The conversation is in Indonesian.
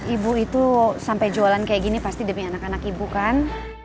ibu itu sampai jualan kayak gini pasti demi anak anak ibu kan